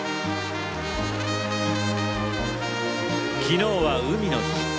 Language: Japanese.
昨日は海の日。